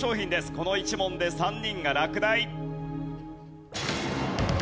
この１問で３人が落第。